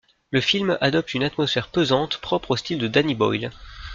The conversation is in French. Le film adopte une atmosphère pesante, propre au style de Danny Boyle.